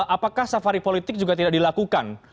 apakah safari politik juga tidak dilakukan